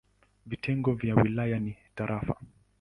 Vitengo vya wilaya ni tarafa.